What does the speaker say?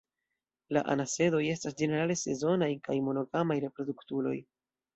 La anasedoj estas ĝenerale sezonaj kaj monogamaj reproduktuloj.